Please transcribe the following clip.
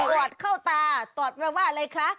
ตอบเข้าตานี่ตอบมาว่าอะไรคะ